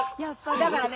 だからね